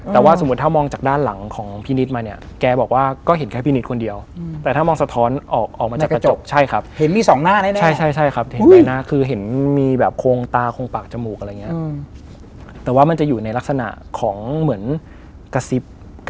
ที่บ้านเนี่ยมีคุณตาคุณยายนะครับ